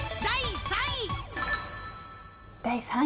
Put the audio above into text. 第３位。